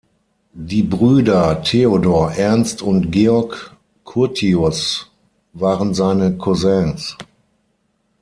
Die Brüder Theodor, Ernst und Georg Curtius waren seine Cousins.